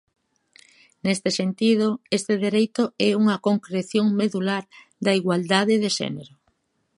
Neste sentido, este dereito é unha concreción medular da igualdade de xénero.